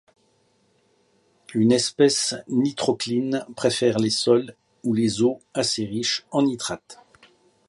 Une espèce nitrocline préfère les sols ou les eaux assez riches en nitrates.